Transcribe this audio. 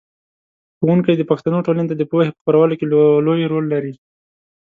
ښوونکی د پښتنو ټولنې ته د پوهې په خپرولو کې لوی رول لري.